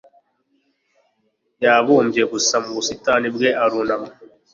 Yabumbye gusa mu busitani bwe arunama